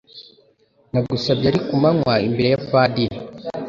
nagusabye ari kumanywa imbere ya padiri